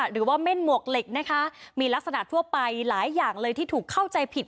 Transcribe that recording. หรือว่าเม่นหมวกเหล็กนะคะมีลักษณะทั่วไปหลายอย่างเลยที่ถูกเข้าใจผิด